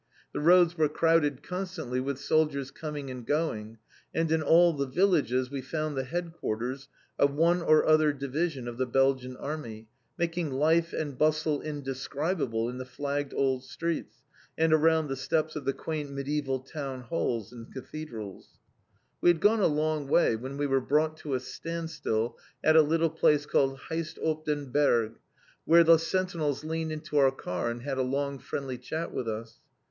The roads were crowded constantly with soldiers coming and going, and in all the villages we found the Headquarters of one or other Division of the Belgian Army, making life and bustle indescribable in the flagged old streets, and around the steps of the quaint mediæval Town Halls and Cathedrals. [Illustration: A FRIENDLY CHAT.] We had gone a long way when we were brought to a standstill at a little place called Heyst op den Berg, where the sentinels leaned into our car and had a long friendly chat with us.